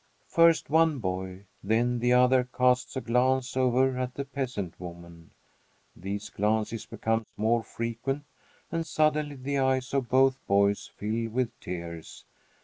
First one boy, then the other casts a glance over at the peasant woman. These glances become more frequent, and suddenly the eyes of both boys fill with tears.